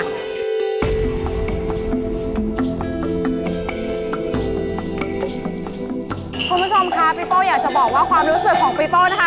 คุณผู้ชมค่ะพี่โป้อยากจะบอกว่าความรู้สึกของปีโป้นะคะ